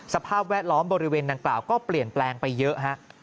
สภาพแวดล้อมบริเวณดังกล่าวก็เปลี่ยนแปลงไปเยอะฮะ